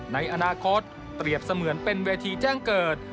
ในอนาคตเปรียบเสมือนเป็นเวทีแจ้งเกิด